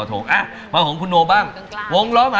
เต้นภาพแนวหัวงูเลย